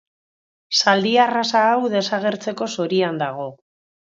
Zaldi arraza hau desagertzeko zorian dago.